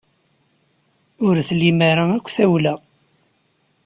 Ur tlim ara akk tawla.